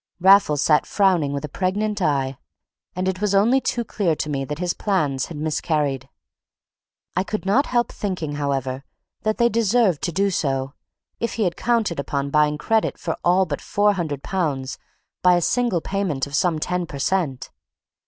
Raffles sat frowning with a pregnant eye, and it was only too clear to me that his plans had miscarried. I could not help thinking, however, that they deserved to do so, if he had counted upon buying credit for all but £400 by a single payment of some ten per cent.